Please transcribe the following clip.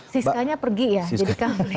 siskanya pergi ya jadi kami